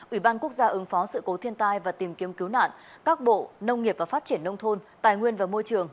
ủy ban quốc gia ứng phó sự cố thiên tai và tìm kiếm cứu nạn các bộ nông nghiệp và phát triển nông thôn tài nguyên và môi trường